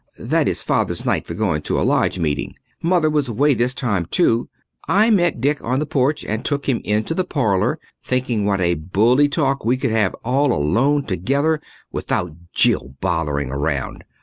That is Father's night for going to a lodge meeting. Mother was away this time too. I met Dick on the porch and took him into the parlour, thinking what a bully talk we could have all alone together, without Jill bothering around.